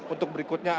untuk berikutnya ada